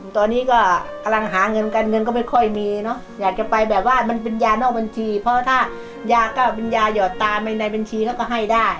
ถ้ายาก็เป็นยายอดตาในบัญชีเขาก็ให้ได้